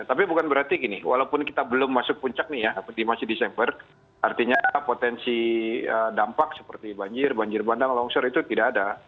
tapi bukan berarti gini walaupun kita belum masuk puncak nih ya masih desember artinya potensi dampak seperti banjir banjir bandang longsor itu tidak ada